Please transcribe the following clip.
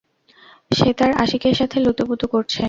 সে তার আশিক এর সাথে লুতুপুতু করছে।